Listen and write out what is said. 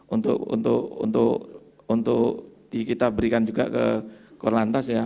untuk kita berikan juga ke korlantas ya